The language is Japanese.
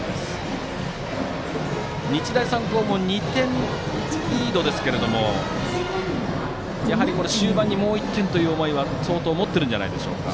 日大三高も２点リードですが終盤にもう１点という思いは持ってるんじゃないでしょうか。